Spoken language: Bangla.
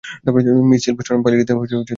মিস সিলভারষ্টোন পালিয়ে যেতে চেষ্টা করলেন।